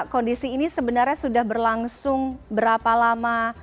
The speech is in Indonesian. kondisi ini sebenarnya sudah berlangsung berapa lama